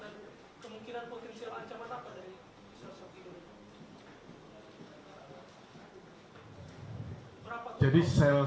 dan kemungkinan provinsi yang ancaman apa dari sel sel tidur ini